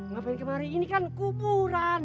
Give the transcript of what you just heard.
ngapain kemarin ini kan kuburan